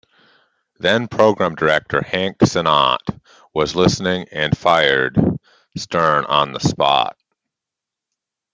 Then-Program Director Hank Sennott was listening and fired Stern on the spot.